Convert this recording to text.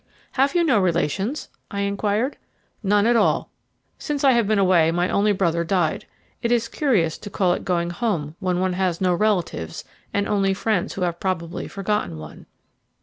"Have you no relations?" I inquired. "None at all. Since I have been away my only brother died. It is curious to call it going home when one has no relatives and only friends who have probably forgotten one."